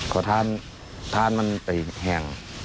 พอทานเป็นฮัง